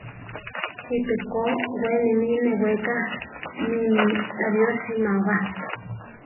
Jipe ko we nimí neweká nimí ariósima ba.